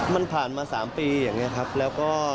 มันผ่านมา๓ปีอย่างนี้ครับแล้วก็